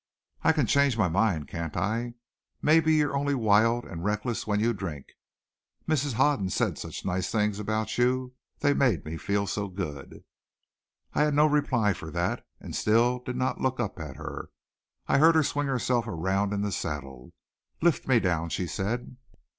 "I can change my mind, can't I? Maybe you're only wild and reckless when you drink. Mrs. Hoden said such nice things about you. They made me feel so good." I had no reply for that and still did not look up at her. I heard her swing herself around in the saddle. "Lift me down," she said.